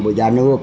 với gia nước